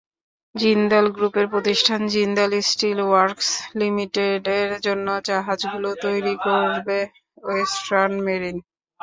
জিনদাল গ্রুপের প্রতিষ্ঠান Jindal still works লিমিটেডের জন্য জাহাজগুলো তৈরি করবে ওয়েস্টার্ন মেরিন।